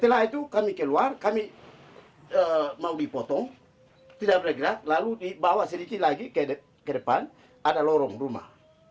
setelah itu kami keluar kami mau dipotong tidak bergerak lalu dibawa sedikit lagi ke depan ada lorong rumah